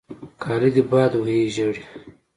کالې دې باد وهي ژړې.